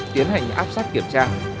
tiến hành áp sát kiểm tra